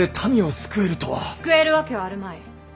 救えるわけはあるまい。